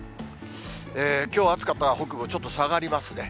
きょう暑かった北部、ちょっと下がりますね。